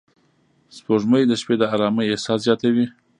سپوږمۍ د شپې د آرامۍ احساس زیاتوي